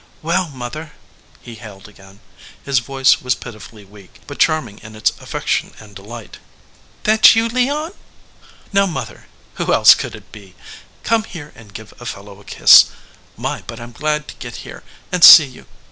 "Well, mother !" he hailed again. His voice was pitifully weak, but charming in its affection and delight. "That you, Leon?" "Now, mother, who else could it be? Come here and give a fellow a kiss. My, but I m glad to get here, and see you.